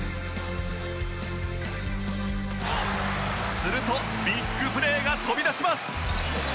するとビッグプレーが飛び出します。